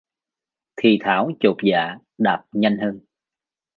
thì Thảo chột dạ đạp nhanh hơn